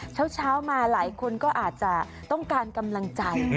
เช้ามาหลายคนก็อาจจะต้องการกำลังใจ